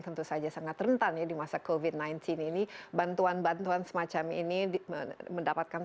tentu saja sangat rentan ya di masa covid sembilan belas ini bantuan bantuan semacam ini mendapatkan